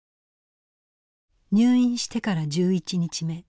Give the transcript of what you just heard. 入院してから１１日目。